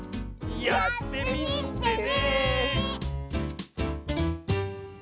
やってみてね！